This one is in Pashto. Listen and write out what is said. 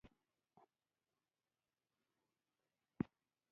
لکه د ګنج پسونه یې په بازار کې سودا ته غورځوي.